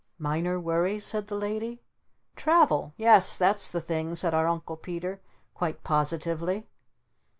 " Minor worries?" said the Lady. "Travel! Yes that's the thing!" said our Uncle Peter quite positively.